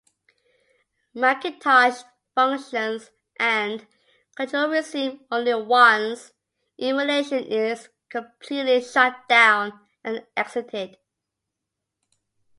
Macintosh functions and control resume only once emulation is completely shut down and exited.